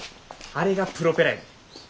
あれがプロペラや。